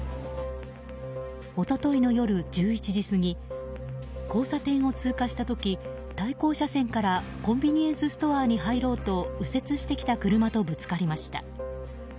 一昨日の夜１１時過ぎ交差点を通過した時対向車線からコンビニエンスストアに入ろうと右折してきた車とぶつかりました。